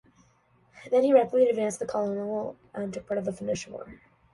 He then rapidly advanced to colonel and took part in the Finnish War.